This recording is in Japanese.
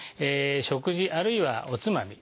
食事あるいはおつまみ。